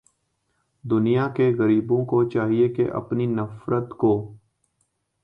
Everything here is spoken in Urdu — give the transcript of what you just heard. دنیا کے غریبوں کو چاہیے کہ اپنی نفرت کو